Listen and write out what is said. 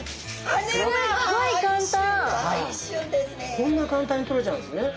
こんな簡単にとれちゃうんですね。